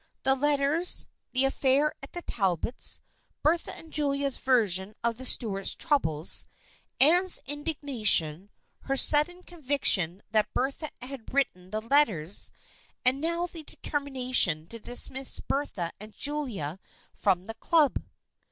The letters, the affair at the Talbots\ Bertha's and Julia's version of the Stuarts' troubles, Anne's indignation, her sudden conviction that Bertha had written the letters, and now the de termination to dismiss Bertha and Julia from the Club.